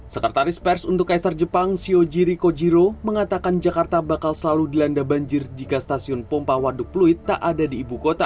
sekretaris pers untuk kaisar jepang sioji rikojiro mengatakan jakarta bakal selalu dilanda banjir jika stasiun pompa waduk pluit tak ada di ibu kota